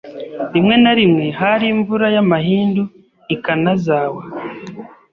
Rimwe na rimwe hari imvura y'amahindu i Kanazawa.